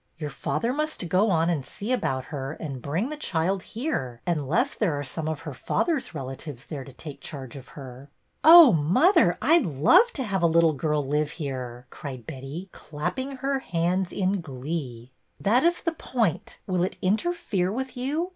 Your father must go on and see about her and bring the child here, unless there are some of her father's relatives there to take charge of her." Oh, mother, I 'd love to have a little girl live here !" cried Betty, clapping her hands in glee. 170 BETTY BAIRD'S VENTURES That is the point. Will it interfere with you?